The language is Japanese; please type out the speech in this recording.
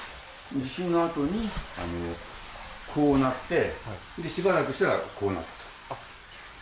地震のあとにこうなってしばらくしたら、こうなった。